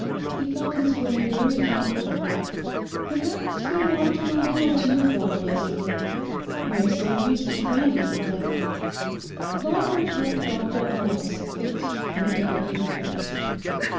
He felt his way very heedfully. 'Perhaps we walked you a little too far yesterday. We are so used to tramping that—' Lawford kept thoughtful eyes fixed on the deprecating face.